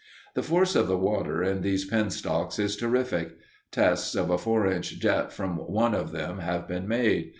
The force of the water in these penstocks is terrific. Tests of a four inch jet from one of them have been made.